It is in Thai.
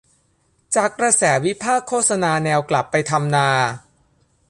จากกระแสวิพากษ์โฆษณาแนวกลับไปทำนา